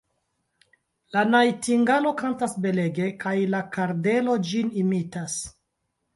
La najtingalo kantas belege, kaj la kardelo ĝin imitas.